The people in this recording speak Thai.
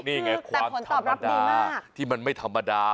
แต่ผลตอบรับดีมากนี่ไงความธรรมดาที่มันไม่ธรรมดา